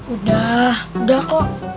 udah udah kok